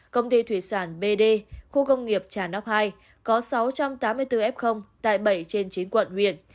công ty thủy sản bd khu công nghiệp trà nóc hai có sáu trăm tám mươi bốn f tại bảy trên chín quận huyện